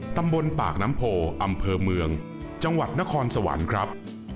ตำบลปากน้ำโพอำเภอเมืองจังหวัดนครสวรรค์ครับ